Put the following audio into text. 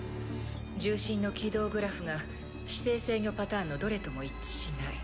重心の軌道グラフが姿勢制御パターンのどれとも一致しない。